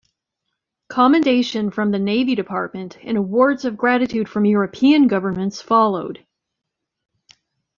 Commendation from the Navy Department and awards of gratitude from European governments followed.